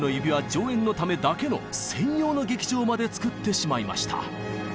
上演のためだけの専用の劇場まで造ってしまいました。